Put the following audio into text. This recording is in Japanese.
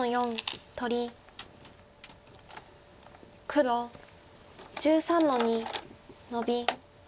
黒１３の二ノビ。